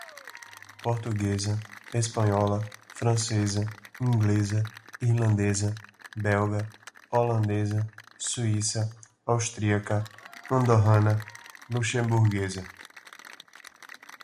Portuguesa, Espanhola, Francesa, Inglesa, Irlandesa, Belga, Holandesa, Suíça, Austríaca, Andorrana, Luxemburguesa.